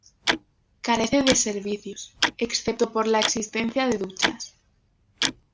Carece de servicios excepto por la existencia de duchas.